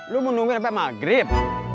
lu menunggu sampe maghrib